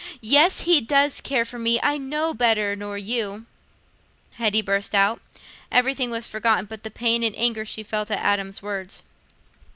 "Yes, he does care for me; I know better nor you," Hetty burst out. Everything was forgotten but the pain and anger she felt at Adam's words.